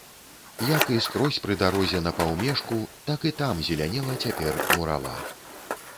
Як і скрозь пры дарозе на паўмежку, так і там зелянела цяпер мурава.